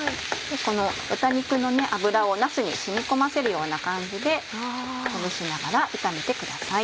この豚肉の脂をなすに染み込ませるような感じでほぐしながら炒めてください。